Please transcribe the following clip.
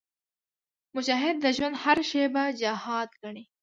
مجاهد د ژوند هره شېبه جهاد ګڼي.